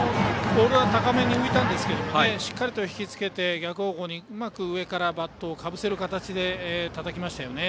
ボールが高めに浮いたんですがしっかりと引き付けて逆方向にうまく上からバットをかぶせる形でたたきましたよね。